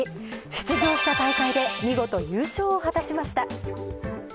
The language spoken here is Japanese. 出場した大会で見事、優勝を果たしました。